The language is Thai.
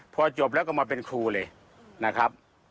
พอจบแล้วก็มาเป็นครูเลยนะครับ